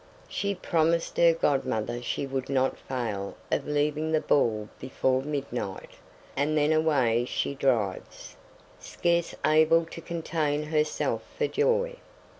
She promised her godmother she would not fail of leaving the ball before midnight; and then away she drives, scarce able to contain herself for joy.